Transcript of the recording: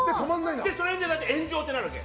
それでまた炎上ってなるわけ。